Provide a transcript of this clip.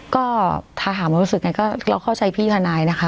ก็ถ้าถามว่ารู้สึกไงก็เราเข้าใจพี่ทนายนะคะ